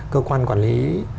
cơ quan quản lý